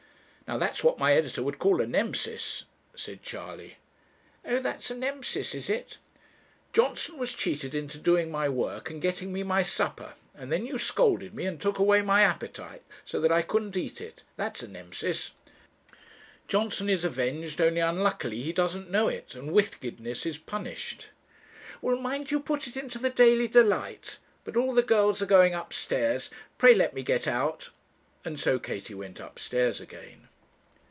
'Now, that's what my editor would call a Nemesis,' said Charley. 'Oh, that's a Nemesis, is it?' 'Johnson was cheated into doing my work, and getting me my supper; and then you scolded me, and took away my appetite, so that I couldn't eat it; that's a Nemesis. Johnson is avenged, only, unluckily, he doesn't know it, and wickedness is punished.' 'Well, mind you put it into the Daily Delight. But all the girls are going upstairs; pray let me get out,' and so Katie went upstairs again.